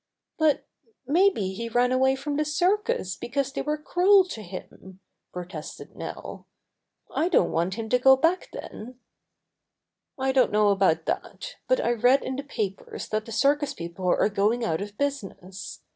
"But maybe he ran away from the circus because they were cruel to him," protested Nell. "I don't want him to go back then." Buster is to be Sent to the Zoo 121 don't know about that, but I read in the papers that the circus people are going out of business.